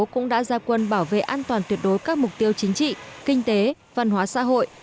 cũng đã ra quân bảo vệ an toàn tuyệt đối các mục tiêu chính trị kinh tế văn hóa xã hội